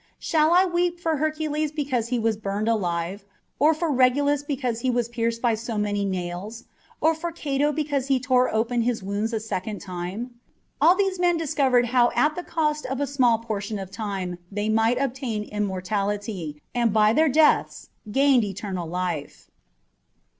Shall I weep for Hercules because he was burned alive, or for Regulus because he was pierced by so many nails, or for Cato because he tore open his wounds a second time ? All these men discovered how at the cost of a small portion of time they might obtain immortality, and by their deaths gained eternal life.